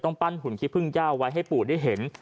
ปั้นหุ่นขี้พึ่งย่าไว้ให้ปู่ได้เห็น